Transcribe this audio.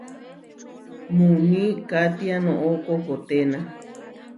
Muuní katiá noʼó koʼkoténa.